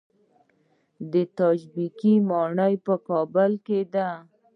د تاج بیګ ماڼۍ په کابل کې ده